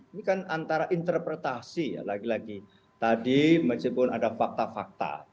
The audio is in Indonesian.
ini kan antara interpretasi ya lagi lagi tadi meskipun ada fakta fakta